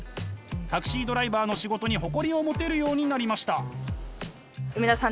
タクシードライバーの仕事に誇りを持てるようになりました。